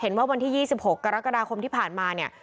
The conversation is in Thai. วันที่๒๖กรกฎาคมที่ผ่านมาเนี่ย